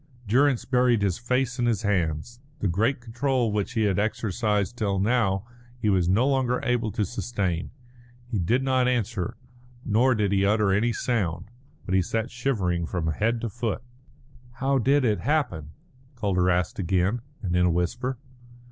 Durrance buried his face in his hands. The great control which he had exercised till now he was no longer able to sustain. He did not answer, nor did he utter any sound, but he sat shivering from head to foot. "How did it happen?" Calder asked again, and in a whisper.